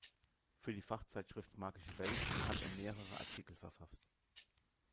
Für die Fachzeitschrift Magische Welt hat er mehrere Artikel verfasst.